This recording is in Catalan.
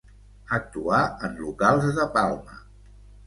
Actuà en locals de Palma.